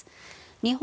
日本